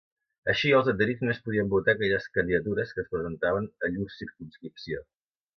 Així, els adherits només podien votar aquelles candidatures que es presentaven a llur circumscripció.